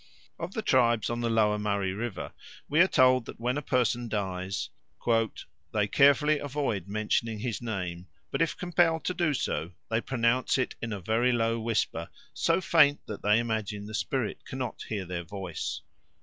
Of the tribes on the Lower Murray River we are told that when a person dies "they carefully avoid mentioning his name; but if compelled to do so, they pronounce it in a very low whisper, so faint that they imagine the spirit cannot hear their voice."